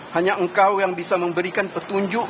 hanya engkau yang bisa memberikan petunjuk